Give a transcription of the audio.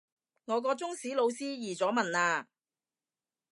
我個中史老師移咗民喇